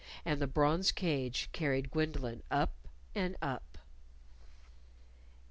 And the bronze cage carried Gwendolyn up and up.